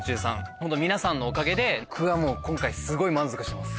ホント皆さんのおかげで僕はもう今回すごい満足してます。